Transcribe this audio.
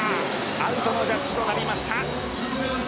アウトのジャッジとなりました。